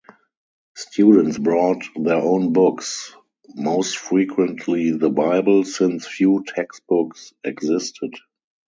Students brought their own books, most frequently the Bible, since few textbooks existed.